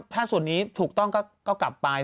ถ้าส่วนนี้ถูกต้องก็กลับไป